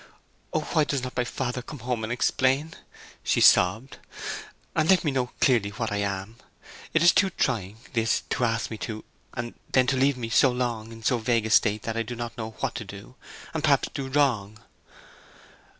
"Oh, why does not my father come home and explain," she sobbed, "and let me know clearly what I am? It is too trying, this, to ask me to—and then to leave me so long in so vague a state that I do not know what to do, and perhaps do wrong!"